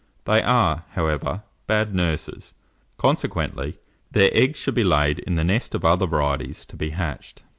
They are, however, bad nurses; consequently, their eggs should be laid in the nest of other varieties to be hatched.